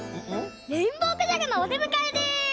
レインボーくじゃくのおでむかえです！